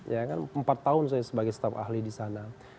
ya kan empat tahun saya sebagai staf ahli di sana